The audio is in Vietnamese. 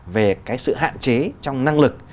về cái sự hạn chế trong năng lực